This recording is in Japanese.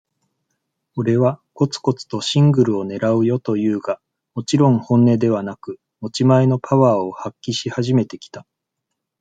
俺は、コツコツとシングルを狙うよと言うが、もちろん本音ではなく、持ち前のパワーを発揮し始めてきた。